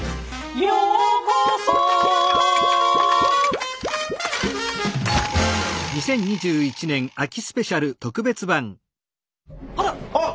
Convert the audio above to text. ようこそあらっ！